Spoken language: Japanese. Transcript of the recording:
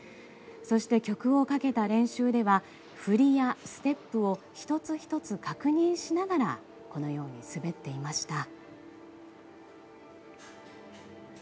そして、曲をかけた練習では振りやステップを１つ１つ確認しながらこのように滑っていました。